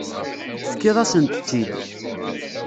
Tefkiḍ-asent-tt-id.